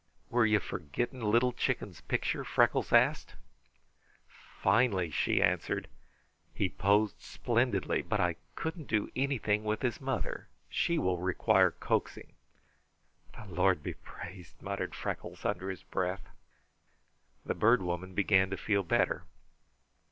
"Were you for getting Little Chicken's picture?" Freckles asked. "Finely!" she answered. "He posed splendidly. But I couldn't do anything with his mother. She will require coaxing." "The Lord be praised!" muttered Freckles under his breath. The Bird Woman began to feel better.